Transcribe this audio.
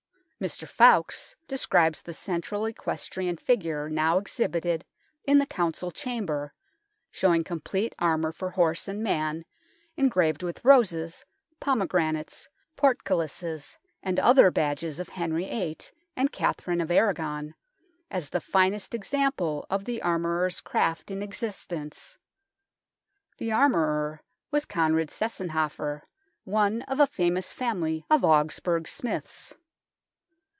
Mr. ffoulkes describes the central equestrian figure now exhibited in the Council Chamber, showing complete armour for horse and man engraved with roses, pomegranates, portcullises and other badges of Henry VIII and Catherine of Aragon, as the finest example of the armourer's craft in existence. The armourer was Conrad Seusenhofer, one of a famous family of Augsburg smiths.